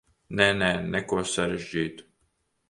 Nē, nē, neko sarežģītu.